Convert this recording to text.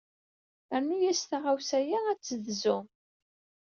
Rnu-as taɣawsa-ya ad d-tedzu